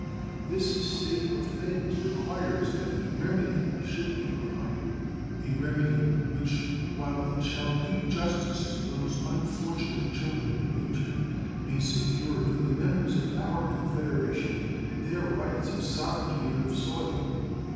This state of things requires that a remedy should be provided a remedy which, while it shall do justice to those unfortunate children of nature, may secure to the members of our confederation their rights of sovereignty and of soil.